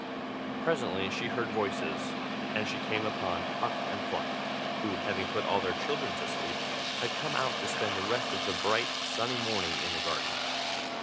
Presently she heard voices, and she came upon Puff and Fluff, who, having put all their children to sleep, had come out to spend the rest of the bright, sunny morning in the garden.